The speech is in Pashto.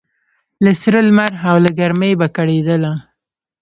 له سره لمر او له ګرمۍ به کړېدله